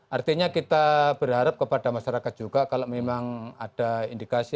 artinya kita berharap kepada masyarakat juga kalau memang ada indikasi